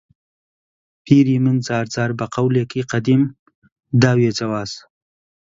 پیری من جار جار بە قەولێکی قەدیم داویە جەواز